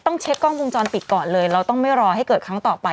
เช็คกล้องวงจรปิดก่อนเลยเราต้องไม่รอให้เกิดครั้งต่อไป